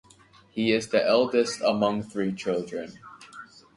He is the eldest among three children.